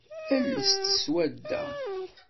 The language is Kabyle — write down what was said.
Ales-d seg swadda.